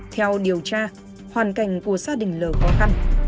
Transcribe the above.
theo điều tra hoàn cảnh của gia đình lờ khó khăn